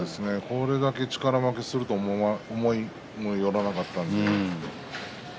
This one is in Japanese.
これだけ力負けするとは思いもよらなかったです。